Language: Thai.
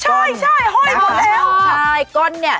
ใช่ห้อยพอแล้ว